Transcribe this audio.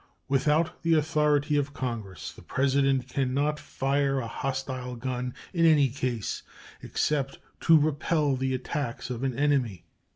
Without the authority of Congress the President can not fire a hostile gun in any case except to repel the attacks of an enemy.